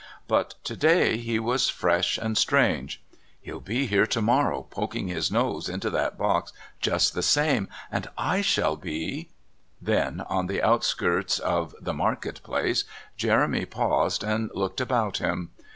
But, to day, he was fresh and strange. "He'll be here to morrow poking his nose into that box just the same, and I shall be " Then, on the outskirts of the Market Place, Jeremy paused and looked about him.